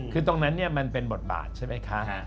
คือตรงนั้นมันเป็นบทบาทใช่ไหมคะ